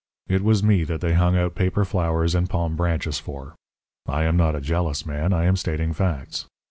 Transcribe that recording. It was me that they hung out paper flowers and palm branches for. I am not a jealous man; I am stating facts.